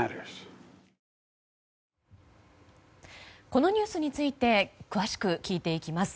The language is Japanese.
このニュースについて詳しく聞いていきます。